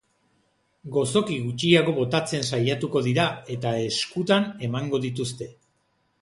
Gozoki gutxiago botatzen saiatuko dira, eta eskutan emango dituzte.